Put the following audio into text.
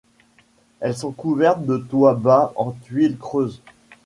Elles sont couvertes de toits bas en tuiles creuses.